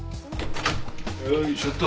よいしょと。